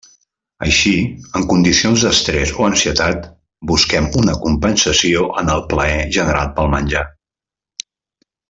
Així, en condicions d'estrès o ansietat, busquem una compensació en el plaer generat pel menjar.